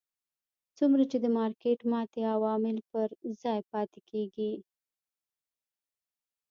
څومره چې د مارکېټ ماتې عوامل پر ځای پاتې کېږي.